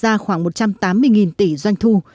tạo ra khoảng một trăm tám mươi tỷ doanh thu